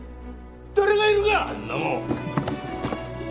誰がいるかそんなもん！